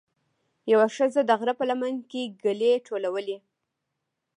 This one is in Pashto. یوه ښځه د غره په لمن کې ګلې ټولولې.